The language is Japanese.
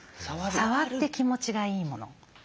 触って気持ちがいいもの。